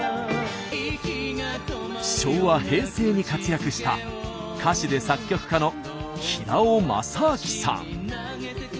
昭和平成に活躍した歌手で作曲家の平尾昌晃さん。